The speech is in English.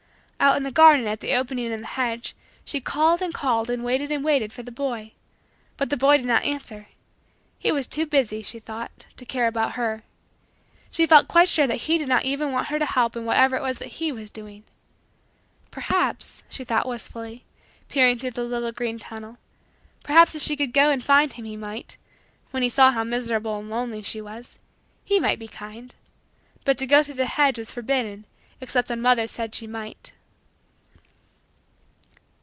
Out in the garden, at the opening in the hedge, she called and called and waited and waited for the boy. But the boy did not answer. He was too busy, she thought, to care about her. She felt quite sure that he did not even want her to help in whatever it was that he was doing. Perhaps, she thought wistfully, peering through the little green tunnel, perhaps if she could go and find him he might when he saw how miserable and lonely she was he might be kind. But to go through the hedge was forbidden, except when mother said she might.